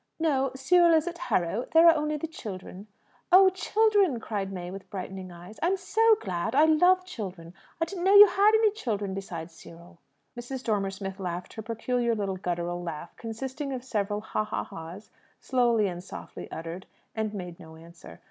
"No; Cyril is at Harrow. There are only the children." "Oh, children!" cried May, with brightening eyes. "I'm so glad! I love children. I didn't know you had any children besides Cyril." Mrs. Dormer Smith laughed her peculiar little guttural laugh, consisting of several ha, ha, ha's, slowly and softly uttered, and made no answer.